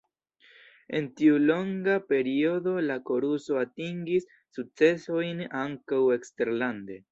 En tiu longa periodo la koruso atingis sukcesojn ankaŭ eksterlande.